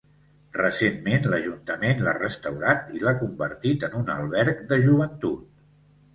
Recentment l'ajuntament l'ha restaurat i l'ha convertit en un alberg de joventut.